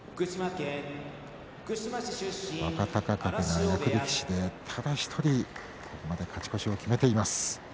若隆景が役力士でただ１人ここまで勝ち越しを決めています。